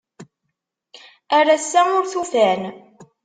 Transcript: Ar ass-a ur tufan.